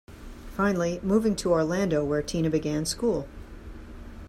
Finally moving to Orlando where Tina began school.